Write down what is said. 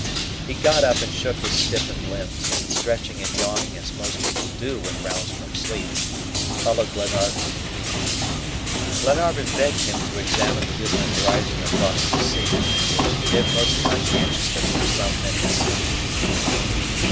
He got up and shook his stiffened limbs, and stretching and yawning as most people do when roused from sleep, followed Glenarvan to the beach. Glenarvan begged him to examine the distant horizon across the sea, which he did most conscientiously for some minutes.